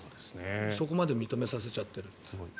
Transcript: そこまで認めさせちゃってる。